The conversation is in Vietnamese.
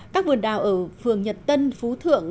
các vườn đào ở phường nhật tân phú thượng